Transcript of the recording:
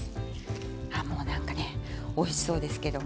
あもう何かねおいしそうですけども。